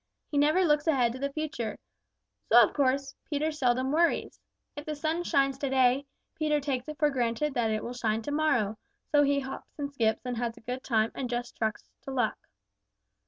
He never looks ahead to the future. So of course Peter seldom worries. If the sun shines to day, Peter takes it for granted that it will shine to morrow; so he hops and skips and has a good time and just trusts to luck.